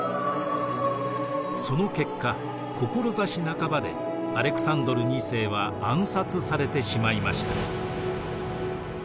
その結果志半ばでアレクサンドル２世は暗殺されてしまいました。